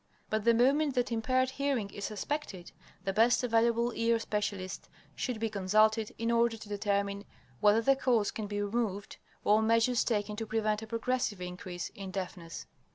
But the moment that impaired hearing is suspected, the best available ear specialist should be consulted in order to determine whether the cause can be removed, or measures taken to prevent a progressive increase in deafness.